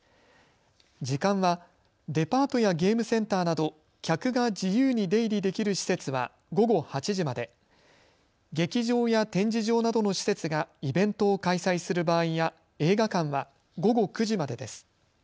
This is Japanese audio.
時間はデパートやゲームセンターなど客が自由に出入りできる施設は午後８時まで、劇場や展示場などの施設がイベントを開催する場合や映画館は午後９時までです。